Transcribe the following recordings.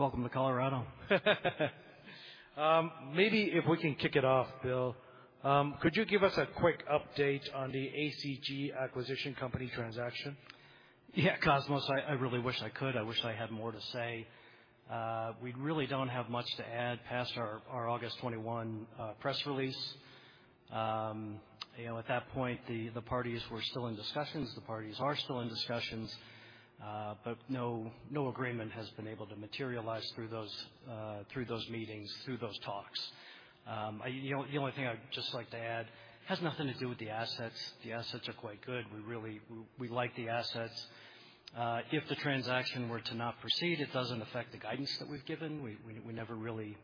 Welcome to Colorado. Maybe if we can kick it off, Bill, could you give us a quick update on the ACG Acquisition Company transaction? Yeah, Cosmos, I really wish I could. I wish I had more to say. We really don't have much to add past our August 21 press release. At that point, the parties were still in discussions. The parties are still in discussions, but no agreement has been able to materialize through those meetings, through those talks. The only thing I'd just like to add has nothing to do with the assets. The assets are quite good. We like the assets. If the transaction were to not proceed, it doesn't affect the guidance that we've given. We never really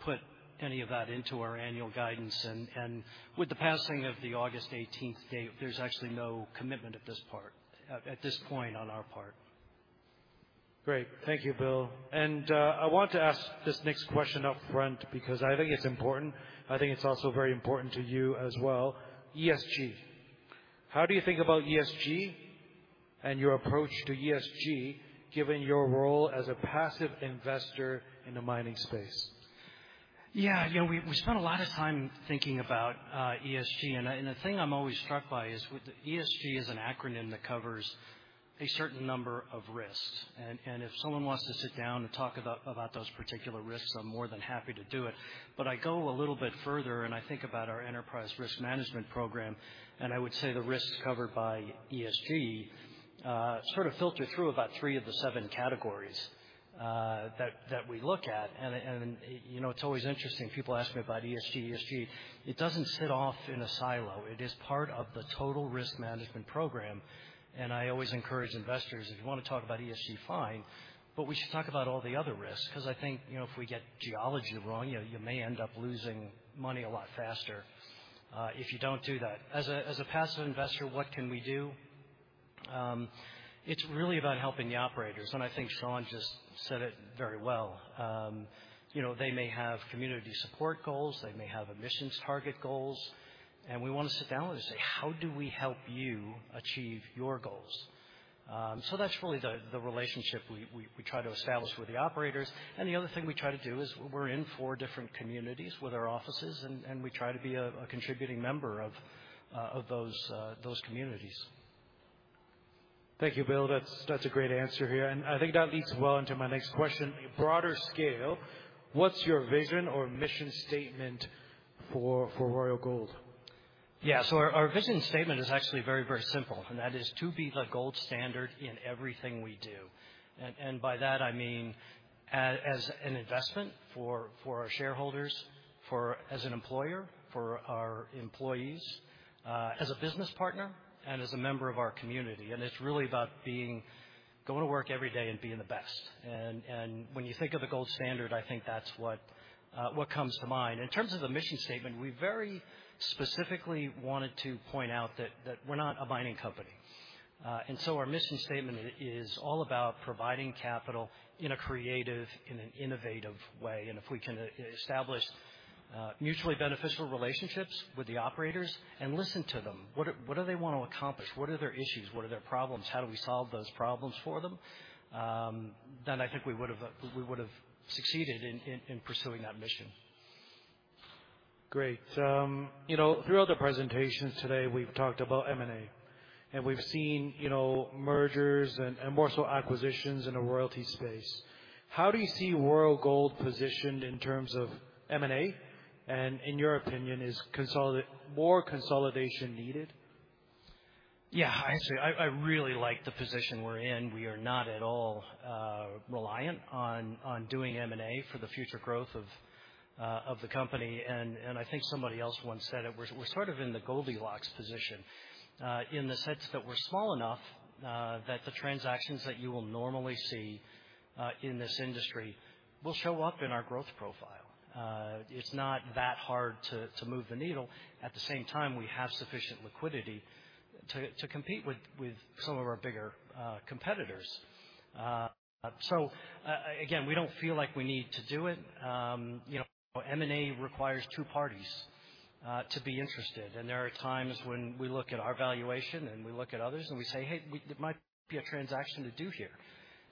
put any of that into our annual guidance. And with the passing of the August 18th date, there's actually no commitment at this point on our part. Great. Thank you, Bill, and I want to ask this next question up front because I think it's important. I think it's also very important to you as well. ESG. How do you think about ESG and your approach to ESG given your role as a passive investor in the mining space? Yeah. We spent a lot of time thinking about ESG. And the thing I'm always struck by is ESG is an acronym that covers a certain number of risks. And if someone wants to sit down and talk about those particular risks, I'm more than happy to do it. But I go a little bit further and I think about our enterprise risk management program. And I would say the risks covered by ESG sort of filter through about three of the seven categories that we look at. And it's always interesting. People ask me about ESG. ESG, it doesn't sit off in a silo. It is part of the total risk management program. And I always encourage investors, if you want to talk about ESG, fine. But we should talk about all the other risks because I think if we get geology wrong, you may end up losing money a lot faster if you don't do that. As a passive investor, what can we do? It's really about helping the operators. And I think Sean just said it very well. They may have community support goals. They may have emissions target goals. And we want to sit down with them and say, "How do we help you achieve your goals?" So that's really the relationship we try to establish with the operators. And the other thing we try to do is we're in four different communities with our offices, and we try to be a contributing member of those communities. Thank you, Bill. That's a great answer here. And I think that leads well into my next question. Broader scale, what's your vision or mission statement for Royal Gold? Yeah, so our vision statement is actually very, very simple, and that is to be the gold standard in everything we do, and by that, I mean as an investment for our shareholders, as an employer, for our employees, as a business partner, and as a member of our community, and it's really about going to work every day and being the best, and when you think of the gold standard, I think that's what comes to mind. In terms of the mission statement, we very specifically wanted to point out that we're not a mining company, and so our mission statement is all about providing capital in a creative, innovative way, and if we can establish mutually beneficial relationships with the operators and listen to them, what do they want to accomplish? What are their issues? What are their problems? How do we solve those problems for them? Then I think we would have succeeded in pursuing that mission. Great. Throughout the presentations today, we've talked about M&A. And we've seen mergers and more so acquisitions in the royalty space. How do you see Royal Gold positioned in terms of M&A? And in your opinion, is more consolidation needed? Yeah. Actually, I really like the position we're in. We are not at all reliant on doing M&A for the future growth of the company. And I think somebody else once said it. We're sort of in the Goldilocks position in the sense that we're small enough that the transactions that you will normally see in this industry will show up in our growth profile. It's not that hard to move the needle. At the same time, we have sufficient liquidity to compete with some of our bigger competitors. So again, we don't feel like we need to do it. M&A requires two parties to be interested. And there are times when we look at our valuation and we look at others and we say, "Hey, it might be a transaction to do here.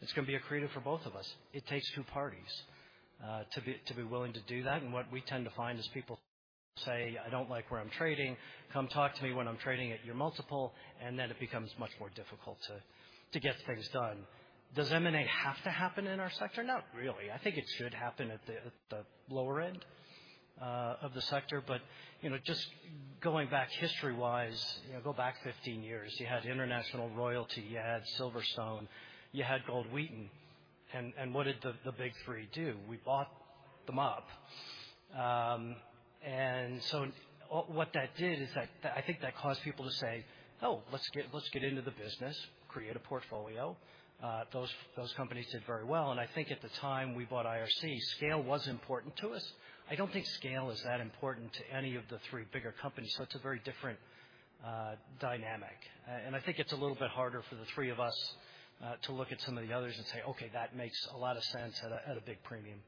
It's going to be a creative for both of us." It takes two parties to be willing to do that, and what we tend to find is people say, "I don't like where I'm trading. Come talk to me when I'm trading at your multiple," and then it becomes much more difficult to get things done. Does M&A have to happen in our sector? Not really. I think it should happen at the lower end of the sector, but just going back history-wise, go back 15 years, you had International Royalty, you had Silverstone, you had Gold Wheaton, and what did the big three do? We bought them up, and so what that did is that I think that caused people to say, "Oh, let's get into the business, create a portfolio." Those companies did very well. And I think at the time we bought IRC, scale was important to us. I don't think scale is that important to any of the three bigger companies. So it's a very different dynamic. And I think it's a little bit harder for the three of us to look at some of the others and say, "Okay, that makes a lot of sense at a big premium.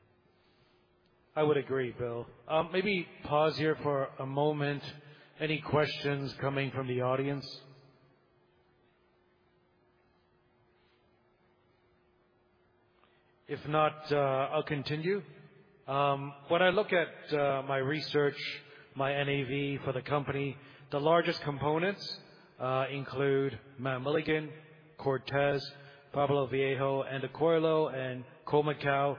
I would agree, Bill. Maybe pause here for a moment. Any questions coming from the audience? If not, I'll continue. When I look at my research, my NAV for the company, the largest components include Mount Milligan, Cortez, Pueblo Viejo, Andacollo, and Khoemacau.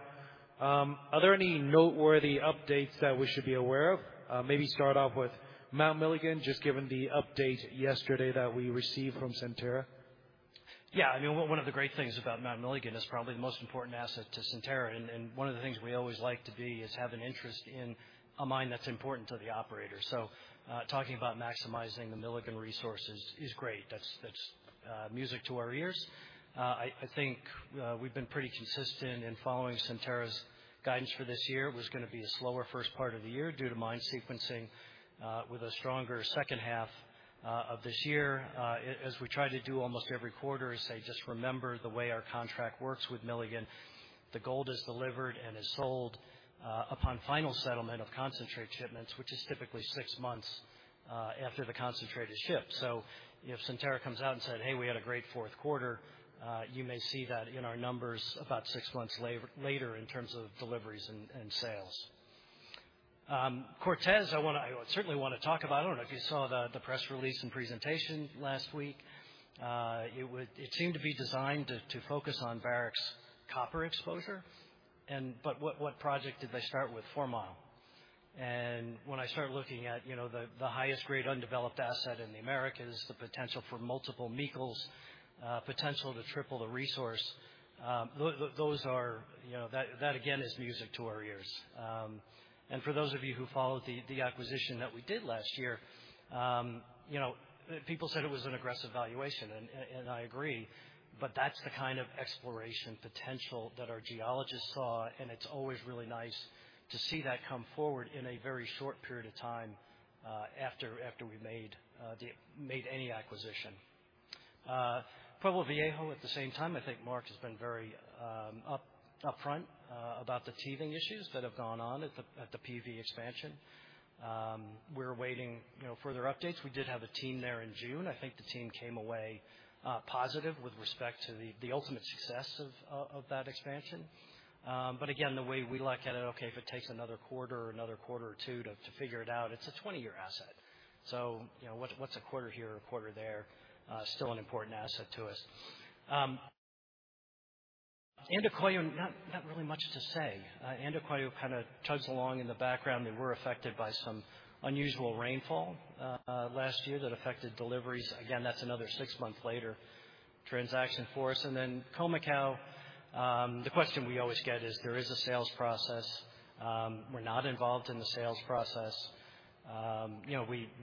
Are there any noteworthy updates that we should be aware of? Maybe start off with Mount Milligan, just given the update yesterday that we received from Centerra. Yeah. I mean, one of the great things about Mount Milligan is probably the most important asset to Centerra. And one of the things we always like to be is have an interest in a mine that's important to the operator. So talking about maximizing the Milligan resources is great. That's music to our ears. I think we've been pretty consistent in following Centerra's guidance for this year. It was going to be a slower first part of the year due to mine sequencing with a stronger second half of this year. As we try to do almost every quarter, say, just remember the way our contract works with Milligan, the gold is delivered and is sold upon final settlement of concentrate shipments, which is typically six months after the concentrate is shipped. So if Centerra comes out and said, "Hey, we had a great fourth quarter," you may see that in our numbers about six months later in terms of deliveries and sales. Cortez, I certainly want to talk about. I don't know if you saw the press release and presentation last week. It seemed to be designed to focus on Barrick's copper exposure. But what project did they start with? Fourmile. And when I start looking at the highest grade undeveloped asset in the Americas, the potential for multiple Meikles, potential to triple the resource, those are that, again, is music to our ears. And for those of you who followed the acquisition that we did last year, people said it was an aggressive valuation. And I agree. But that's the kind of exploration potential that our geologists saw. It's always really nice to see that come forward in a very short period of time after we made any acquisition. Pueblo Viejo, at the same time, I think Mark has been very upfront about the teething issues that have gone on at the PV expansion. We're awaiting further updates. We did have a team there in June. I think the team came away positive with respect to the ultimate success of that expansion. But again, the way we look at it, okay, if it takes another quarter or another quarter or two to figure it out, it's a 20-year asset. So what's a quarter here or a quarter there? Still an important asset to us. Andacollo, not really much to say. Andacollo kind of chugs along in the background. They were affected by some unusual rainfall last year that affected deliveries. Again, that's another six months later transaction for us. And then Khoemacau, the question we always get is, there is a sales process. We're not involved in the sales process.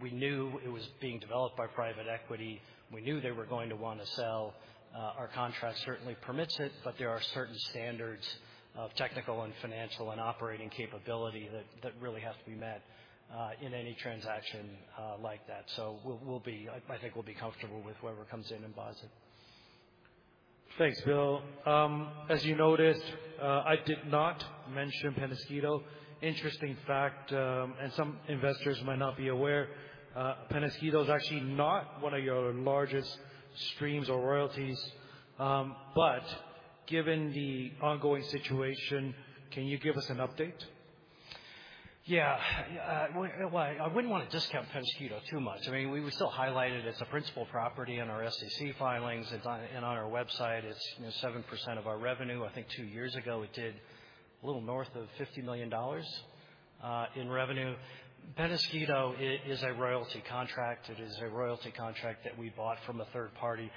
We knew it was being developed by private equity. We knew they were going to want to sell. Our contract certainly permits it. But there are certain standards of technical and financial and operating capability that really have to be met in any transaction like that. So I think we'll be comfortable with whoever comes in and buys it. Thanks, Bill. As you noticed, I did not mention Peñasquito. Interesting fact, and some investors might not be aware, Peñasquito is actually not one of your largest streams or royalties. But given the ongoing situation, can you give us an update? Yeah. I wouldn't want to discount Peñasquito too much. I mean, we still highlight it as a principal property in our SEC filings and on our website. It's 7% of our revenue. I think two years ago, it did a little north of $50 million in revenue. Peñasquito is a royalty contract. It is a royalty contract that we bought from a third party.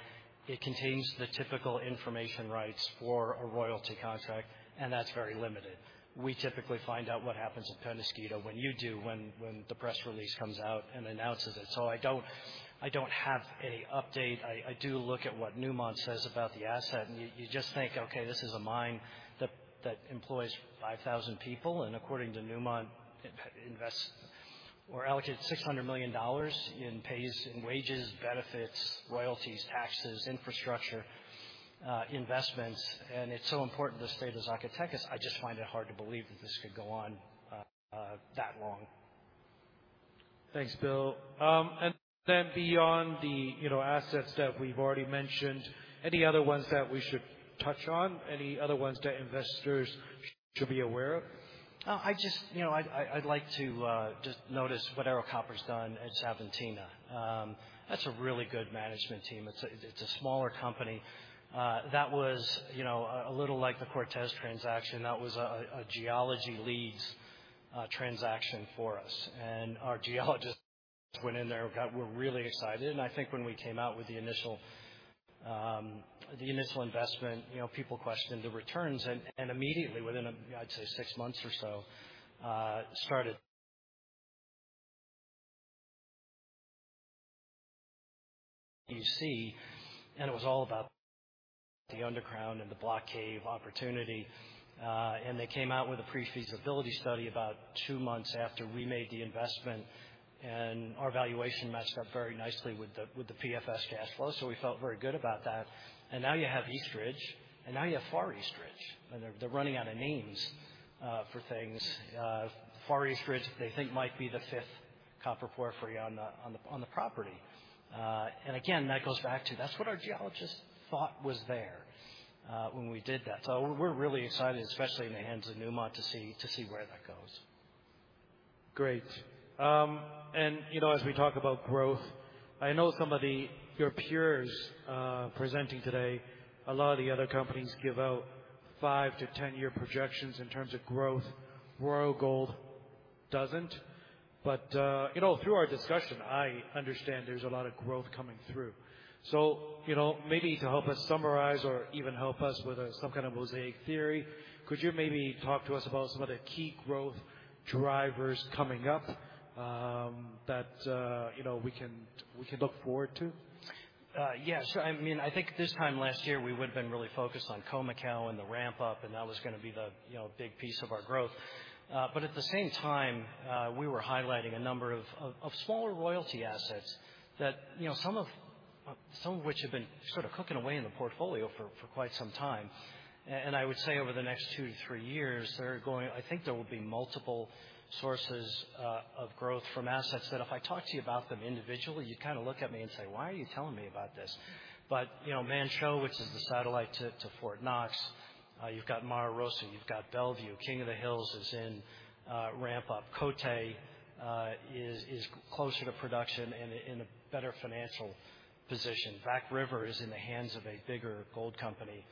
It contains the typical information rights for a royalty contract. And that's very limited. We typically find out what happens with Peñasquito when you do, when the press release comes out and announces it. So I don't have any update. I do look at what Newmont says about the asset. And you just think, "Okay, this is a mine that employs 5,000 people." And according to Newmont, we're allocated $600 million in pays, wages, benefits, royalties, taxes, infrastructure investments. It's so important to the state of Zacatecas. I just find it hard to believe that this could go on that long. Thanks, Bill. And then beyond the assets that we've already mentioned, any other ones that we should touch on? Any other ones that investors should be aware of? I'd like to just note what Ero Copper's done at Xavantina. That's a really good management team. It's a smaller company. That was a little like the Cortez transaction. That was a geology leads transaction for us. And our geologists went in there. We're really excited. And I think when we came out with the initial investment, people questioned the returns. And immediately, within, I'd say, six months or so, started to see. And it was all about the underground and the block cave opportunity. And they came out with a pre-feasibility study about two months after we made the investment. And our valuation matched up very nicely with the PFS cash flow. So we felt very good about that. And now you have East Ridge. And now you have Far East Ridge. And they're running out of names for things. Far East Ridge, they think, might be the fifth copper porphyry on the property, and again, that goes back to that's what our geologists thought was there when we did that, so we're really excited, especially in the hands of Newmont, to see where that goes. Great. And as we talk about growth, I know some of your peers presenting today, a lot of the other companies give out five to 10-year projections in terms of growth. Royal Gold doesn't. But through our discussion, I understand there's a lot of growth coming through. So maybe to help us summarize or even help us with some kind of mosaic theory, could you maybe talk to us about some of the key growth drivers coming up that we can look forward to? Yeah. Sure. I mean, I think this time last year, we would have been really focused on Khoemacau and the ramp-up. And that was going to be the big piece of our growth. But at the same time, we were highlighting a number of smaller royalty assets that some of which have been sort of cooking away in the portfolio for quite some time. And I would say over the next two to three years, I think there will be multiple sources of growth from assets that if I talk to you about them individually, you'd kind of look at me and say, "Why are you telling me about this?" But Manh Choh, which is the satellite to Fort Knox, you've got Mara Rosa, you've got Bellevue, King of the Hills is in ramp-up, Côté Gold is closer to production and in a better financial position. Back River is in the hands of a bigger gold company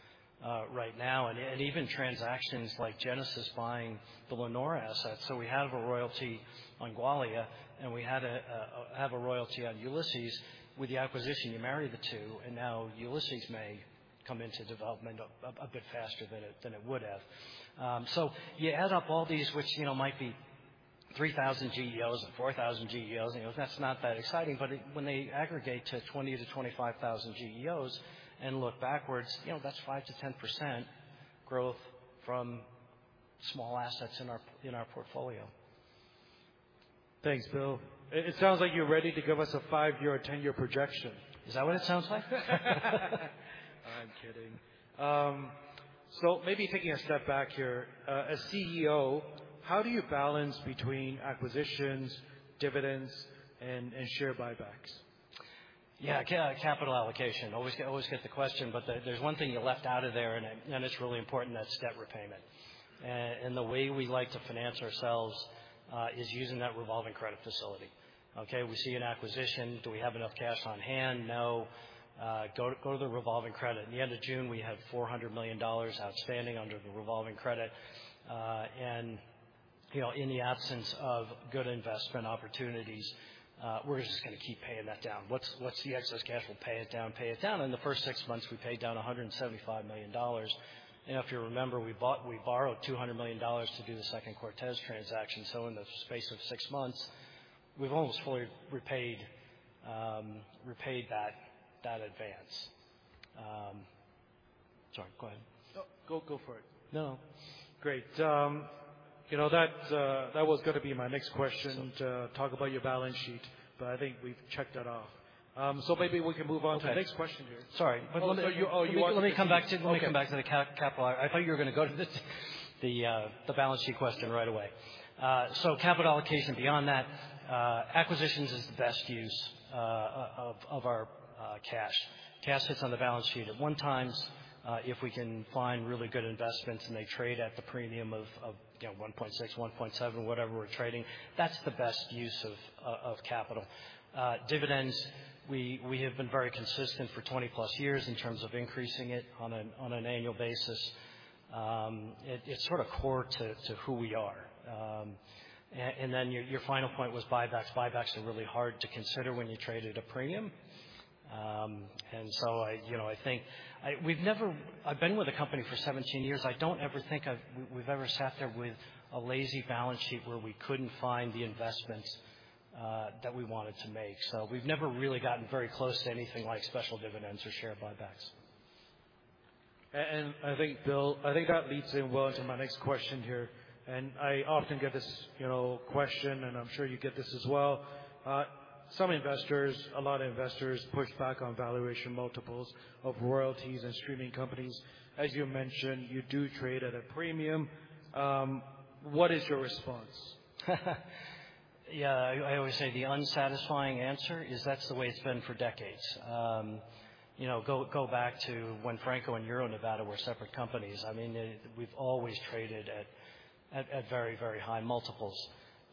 right now, and even transactions like Genesis buying the Leonora asset, so we have a royalty on Gwalia, and we had a royalty on Ulysses with the acquisition. You marry the two, and now Ulysses may come into development a bit faster than it would have, so you add up all these, which might be 3,000 GEOs and 4,000 GEOs. That's not that exciting, but when they aggregate to 20,000-25,000 GEOs and look backwards, that's 5%-10% growth from small assets in our portfolio. Thanks, Bill. It sounds like you're ready to give us a five-year or ten-year projection. Is that what it sounds like? I'm kidding. So maybe taking a step back here, as CEO, how do you balance between acquisitions, dividends, and share buybacks? Yeah. Capital allocation. Always get the question. But there's one thing you left out of there, and it's really important, that debt repayment. And the way we like to finance ourselves is using that revolving credit facility. Okay. We see an acquisition. Do we have enough cash on hand? No. Go to the revolving credit. At the end of June, we had $400 million outstanding under the revolving credit. And in the absence of good investment opportunities, we're just going to keep paying that down. What's the excess cash? We'll pay it down, pay it down. In the first six months, we paid down $175 million. And if you remember, we borrowed $200 million to do the second Cortez transaction. So in the space of six months, we've almost fully repaid that advance. Sorry. Go ahead. No, go for it. No. Great. That was going to be my next question to talk about your balance sheet. But I think we've checked that off. So maybe we can move on to the next question here. Sorry. Let me come back to the capital. I thought you were going to go to the balance sheet question right away, so capital allocation, beyond that, acquisitions is the best use of our cash. Cash hits on the balance sheet at one times. If we can find really good investments and they trade at the premium of 1.6, 1.7, whatever we're trading, that's the best use of capital. Dividends, we have been very consistent for 20+ years in terms of increasing it on an annual basis. It's sort of core to who we are, and then your final point was buybacks. Buybacks are really hard to consider when you trade at a premium, and so I think I've been with the company for 17 years. I don't ever think we've ever sat there with a lazy balance sheet where we couldn't find the investments that we wanted to make. So we've never really gotten very close to anything like special dividends or share buybacks. And I think, Bill, I think that leads in well to my next question here. And I often get this question, and I'm sure you get this as well. Some investors, a lot of investors, push back on valuation multiples of royalties and streaming companies. As you mentioned, you do trade at a premium. What is your response? Yeah. I always say the unsatisfying answer is that's the way it's been for decades. Go back to when Franco-Nevada and Euro-Nevada were separate companies. I mean, we've always traded at very, very high multiples.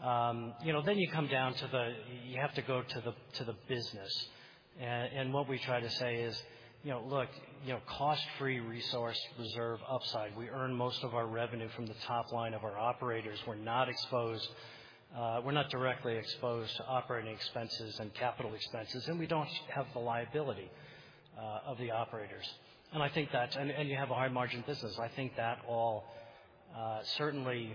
Then you come down to the you have to go to the business. And what we try to say is, look, cost-free resource reserve upside. We earn most of our revenue from the top line of our operators. We're not exposed. We're not directly exposed to operating expenses and capital expenses. And we don't have the liability of the operators. And I think that and you have a high-margin business. I think that all certainly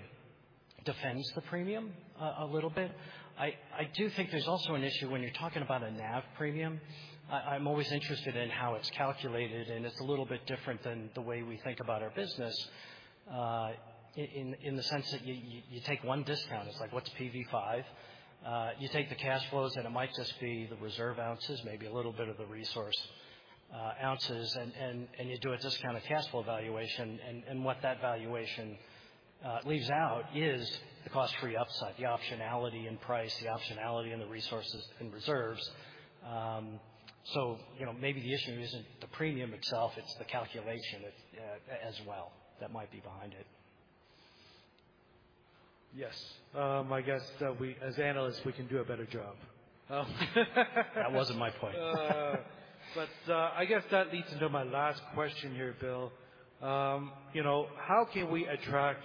defends the premium a little bit. I do think there's also an issue when you're talking about a NAV premium. I'm always interested in how it's calculated. It's a little bit different than the way we think about our business in the sense that you take one discount. It's like, what's PV5? You take the cash flows, and it might just be the reserve ounces, maybe a little bit of the resource ounces. You do a discounted cash flow valuation. What that valuation leaves out is the cost-free upside, the optionality in price, the optionality in the resources and reserves. Maybe the issue isn't the premium itself. It's the calculation as well that might be behind it. Yes. I guess as analysts, we can do a better job. That wasn't my point. But I guess that leads into my last question here, Bill. How can we attract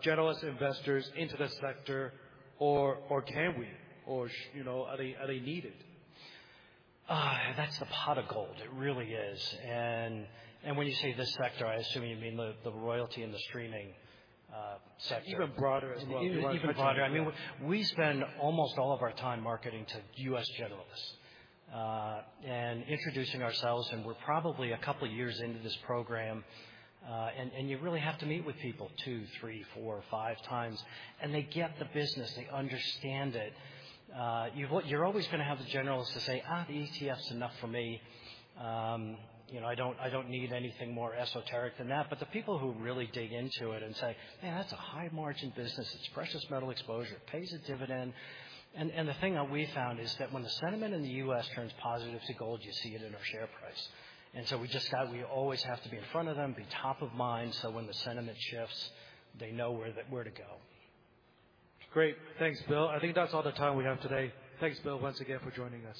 generous investors into the sector, or can we? Or are they needed? That's the pot of gold. It really is. And when you say this sector, I assume you mean the royalty and the streaming sector. Even broader as well. Even broader. I mean, we spend almost all of our time marketing to U.S. generalists and introducing ourselves. And we're probably a couple of years into this program. And you really have to meet with people two, three, four, five times. And they get the business. They understand it. You're always going to have the generalists to say, "The ETF's enough for me. I don't need anything more esoteric than that," but the people who really dig into it and say, "Man, that's a high-margin business. It's precious metal exposure. It pays a dividend." And the thing that we found is that when the sentiment in the U.S. turns positive to gold, you see it in our share price. And so we always have to be in front of them, be top of mind. So when the sentiment shifts, they know where to go. Great. Thanks, Bill. I think that's all the time we have today. Thanks, Bill, once again for joining us.